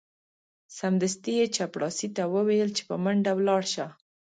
سمدستي یې چپړاسي ته وویل چې په منډه ولاړ شه.